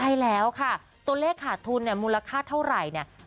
ใช่แล้วค่ะตัวเลขขาดทุนเนี่ยมูลค่าเท่าไหร่เนี่ย